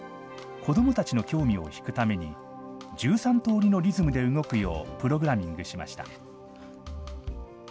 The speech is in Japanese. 子どもたちの興味を引くために、１３通りのリズムで動くようプログラミングしました。